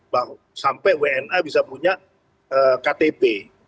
bahwa sampai wna bisa punya ktp